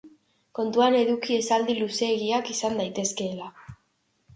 Kontuan eduki esaldi luzeegiak izan daitezkeela.